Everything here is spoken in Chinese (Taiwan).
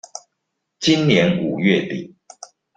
今年五月底